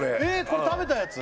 これ食べたやつ？